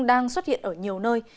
đang xuất hiện ở nhiều nơi